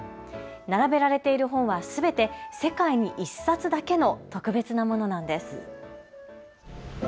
並べられている本はすべて世界に１冊だけの特別なものなんです。